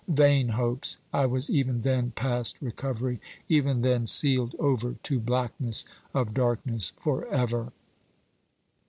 Vain hopes! I was even then past recovery even then sealed over to blackness of darkness forever.